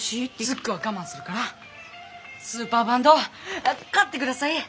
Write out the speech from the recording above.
ズックは我慢するからスーパーバンドを買ってください！